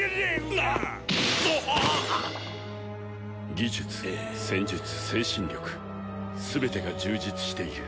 技術戦術精神力すべてが充実している。